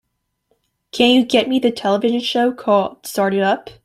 can you get me the television show called Start It Up?